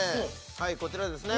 はいこちらですね